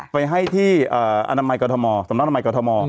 ไปให้ที่สำนักอนามัยกรธม